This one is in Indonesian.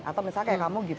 atau misalnya kayak kamu gitu